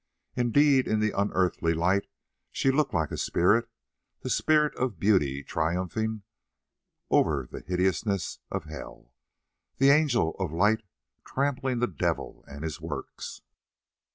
Indeed, in the unearthly light she looked like a spirit, the spirit of beauty triumphing over the hideousness of hell, the angel of light trampling the Devil and his works.